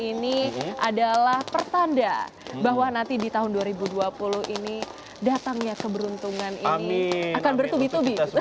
ini adalah pertanda bahwa nanti di tahun dua ribu dua puluh ini datangnya keberuntungan ini akan bertubi tubi